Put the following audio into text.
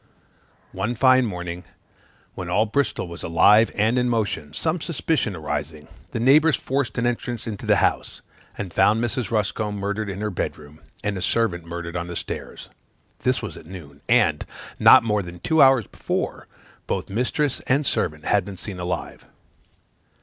One fine morning, when all Bristol was alive and in motion, some suspicion arising, the neighbors forced an entrance into the house, and found Mrs. Ruscombe murdered in her bed room, and the servant murdered on the stairs: this was at noon; and, not more than two hours before, both mistress and servant had been seen alive.